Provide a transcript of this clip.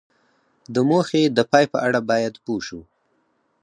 د موخې د پای په اړه باید پوه شو.